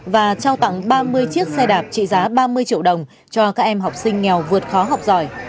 và trao tặng ba mươi chiếc xe đạp trị giá ba mươi triệu đồng cho các em học sinh nghèo vượt khó học giỏi